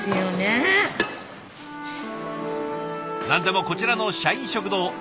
何でもこちらの社員食堂